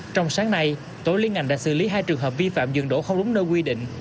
trong sáng nay tổ liên ngành đã xử lý hai trường hợp vi phạm dừng đổ không đúng nơi quy định